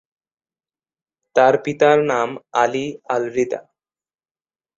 তার পিতার নাম আলি আল-রিদা।